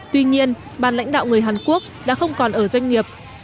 tuy nhiên bàn lãnh đạo người hàn quốc đã không còn ở doanh nghiệp